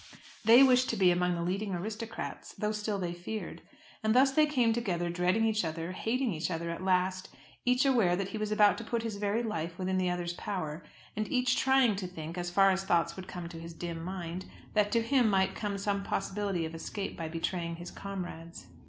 They wished to be among the leading aristocrats, though still they feared. And thus they came together, dreading each other, hating each other at last; each aware that he was about to put his very life within the other's power, and each trying to think, as far as thoughts would come to his dim mind, that to him might come some possibility of escape by betraying his comrades.